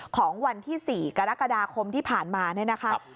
ของวันที่๔กรกฎาคมที่ผ่านมาเนี่ยนะครับ